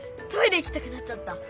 トイレ行きたくなっちゃった。